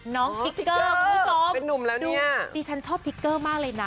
น้องติ๊กเกอร์หัวขอบดิฉันชอบติ๊กเกอร์มากเลยนะ